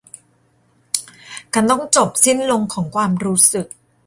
การต้องจบสิ้นลงของความรู้สึก